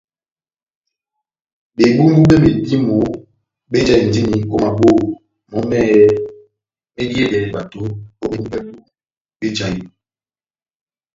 Bebumbu be medímo bejahindi o maboho mɔ mɛhɛpi mediyedɛhɛ bato o bebumbu bɛbu bejahinɔ.